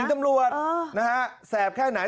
ยิงตำรวจแสบแค่ไหน